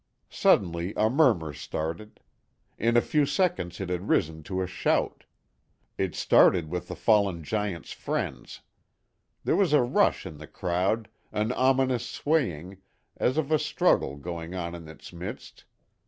Suddenly a murmur started. In a few seconds it had risen to a shout. It started with the fallen giant's friends. There was a rush in the crowd, an ominous swaying, as of a struggle going on in its midst.